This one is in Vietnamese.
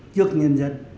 trước nhân dân